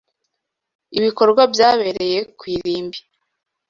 Ibikorwa byabereye ku irimbi.